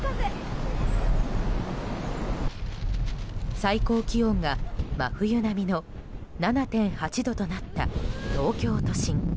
最高気温が真冬並みの７．８度となった東京都心。